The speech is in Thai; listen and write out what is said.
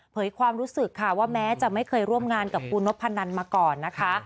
ความรู้สึกค่ะว่าแม้จะไม่เคยร่วมงานกับปูนพนันมาก่อนนะคะ